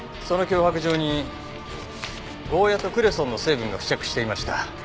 その脅迫状にゴーヤとクレソンの成分が付着していました。